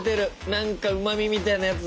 何かうまみみたいなやつ？